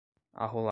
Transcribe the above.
arroladas